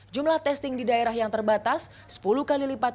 jumlah testing di daerah yang terbatas sepuluh kali lipat